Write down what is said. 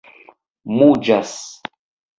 muĝas